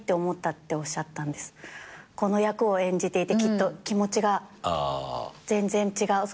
この役を演じていてきっと気持ちが全然違う。